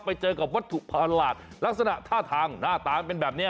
ไปเจอกับวัตถุประหลาดลักษณะท่าทางหน้าตาเป็นแบบนี้